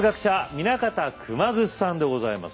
南方熊楠さんでございます。